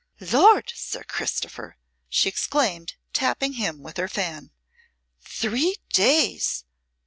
"Lord, Sir Christopher," she exclaimed, tapping him with her fan. "Three days!